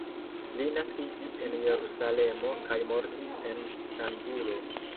Li naskiĝis en Jerusalemo kaj mortis en Istanbulo.